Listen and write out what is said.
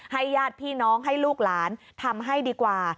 ญาติพี่น้องให้ลูกหลานทำให้ดีกว่า